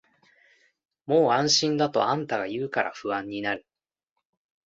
もう安心だとあんたが言うから不安になる